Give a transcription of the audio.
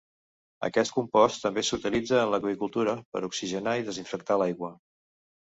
Aquest compost també s'utilitza en l'aqüicultura per oxigenar i desinfectar l'aigua.